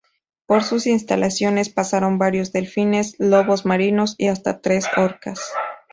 Por sus instalaciones pasaron varios delfines, lobos marinos y hasta tres orcas.